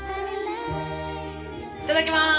いただきます！